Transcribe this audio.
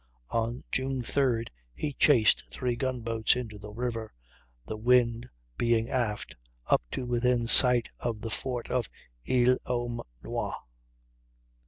On June 3d he chased three gun boats into the river, the wind being aft, up to within sight of the fort of Isle aux noix.